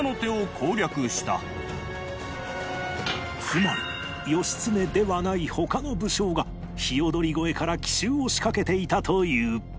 つまり義経ではない他の武将がひよどり越えから奇襲を仕掛けていたという